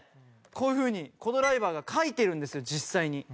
こういうふうにコ・ドライバーが書いてるんですよ、実際に。